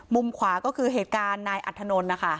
มุมขวาก็คือเหตุการณ์นายอัธนนท์นะคะ